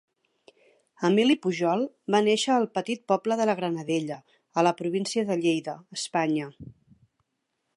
Emili Pujol va néixer al petit poble de la Granadella, a la província de Lleida, Espanya.